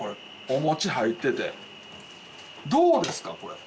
お餅入っててどうですかこれ？